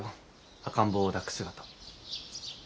赤ん坊を抱く姿。